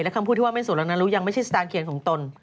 คำพูดที่ว่าไม่สุดแล้วนะรู้ยังไม่ใช่สตาร์เขียนของตน